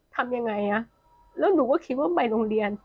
ตัวยังไงพี่